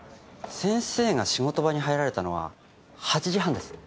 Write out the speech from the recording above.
先生が仕事場に入られたのは８時半です。